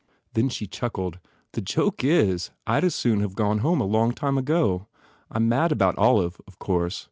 Then she chuckled, "The joke is, I d as soon have gone home long ago. I m mad about Olive, of course.